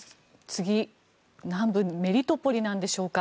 次は南部メリトポリなんでしょうか。